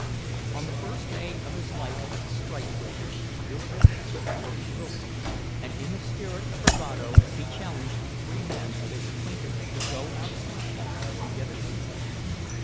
On the first day of his life as a strikebreaker Jurgis quit work early, and in a spirit of bravado he challenged three men of his acquaintance to go outside and get a drink.